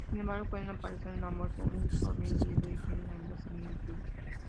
Sin embargo, pueden aparecer ambos en un solo individuo y tienen algunas similitudes.